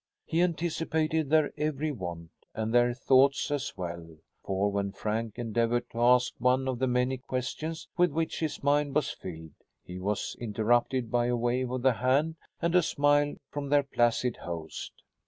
He anticipated their every want and their thoughts as well. For, when Frank endeavored to ask one of the many questions with which his mind was filled, he was interrupted by a wave of the hand and a smile from their placid host.